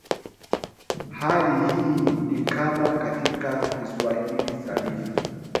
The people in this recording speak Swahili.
hali hii ni kama katika Kiswahili Sanifu